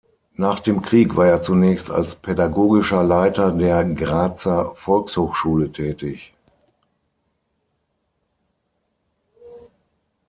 Nach dem Krieg war er zunächst als Pädagogischer Leiter der Grazer Volkshochschule tätig.